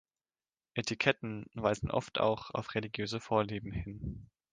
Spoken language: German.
Etiketten weisen oft auch auf religiöse Vorlieben hin.